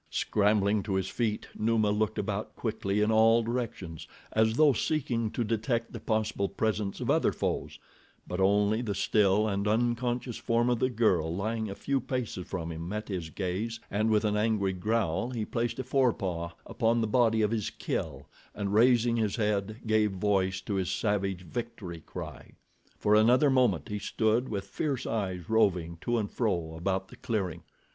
Scrambling to his feet, Numa looked about quickly in all directions, as though seeking to detect the possible presence of other foes; but only the still and unconscious form of the girl, lying a few paces from him met his gaze, and with an angry growl he placed a forepaw upon the body of his kill and raising his head gave voice to his savage victory cry. For another moment he stood with fierce eyes roving to and fro about the clearing.